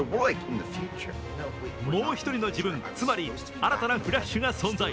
もう一人の自分、つまり新たなフラッシュが存在。